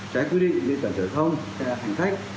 trái quy định liên tả trở thông hành khách